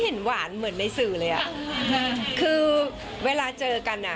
หวานเหมือนในสื่อเลยอ่ะคือเวลาเจอกันอ่ะ